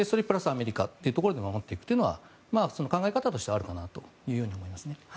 アメリカというところで守っていくというのは考え方としてはあるかなと思います。